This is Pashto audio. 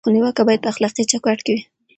خو نیوکه باید په اخلاقي چوکاټ کې وي.